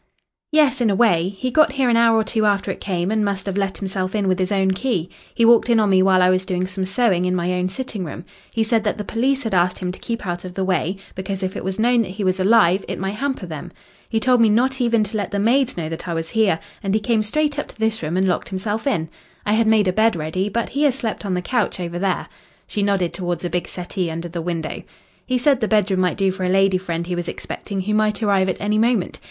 "Yes, in a way. He got here an hour or two after it came and must have let himself in with his own key. He walked in on me while I was doing some sewing in my own sitting room. He said that the police had asked him to keep out of the way, because if it was known that he was alive it might hamper them. He told me not even to let the maids know that he was here, and he came straight up to this room and locked himself in. I had made a bed ready, but he has slept on the couch over there." She nodded towards a big settee under the window. "He said the bedroom might do for a lady friend he was expecting who might arrive at any moment.